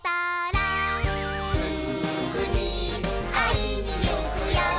「すぐにあいにいくよ」